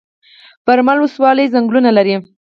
برمل ولسوالۍ ځنګلونه لري؟